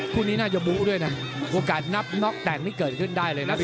คู่นี้น่าจะบู้ด้วยนะโอกาสนับน็อกแต่งนี่เกิดขึ้นได้เลยนะ